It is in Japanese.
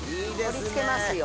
盛り付けますよ。